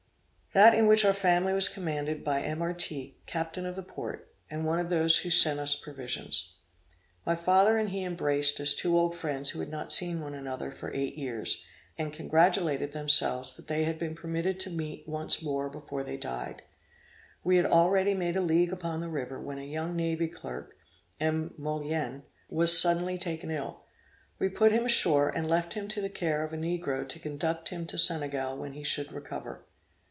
That in which were our family was commanded by M. Artigue, captain of the port, and one of those who had sent us provisions. My father and he embraced as two old friends who had not seen one another for eight years, and congratulated themselves that they had been permitted to meet once more before they died. We had already made a league upon the river when a young navy clerk (M. Mollien) was suddenly taken ill. We put him ashore, and left him to the care of a negro to conduct him to Senegal when he should recover.